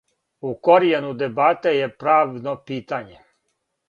У коријену дебате је правно питање.